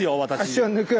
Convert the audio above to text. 足を抜く。